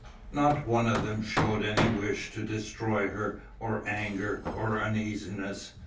Not one of them shewed any wish to destroy her, or anger, or uneasiness.